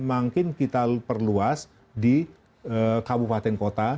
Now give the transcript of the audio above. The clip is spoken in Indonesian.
makin kita perluas di kabupaten kota